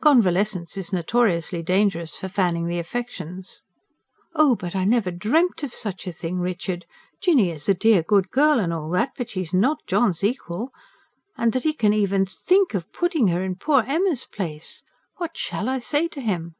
"Convalescence is notoriously dangerous for fanning the affections." "Oh, but I never DREAMT of such a thing, Richard! Jinny is a dear good girl and all that, but she is NOT John's equal. And that he can even THINK of putting her in poor Emma's place! What shall I say to him?"